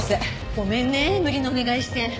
ごめんね無理なお願いして。